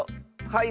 はい！